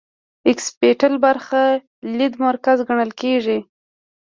اکسیپیټل برخه د لید مرکز ګڼل کیږي